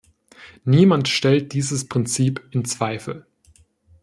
Niemand stellt dieses Prinzip in Zweifel!